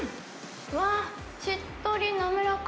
うわー、しっとり滑らか。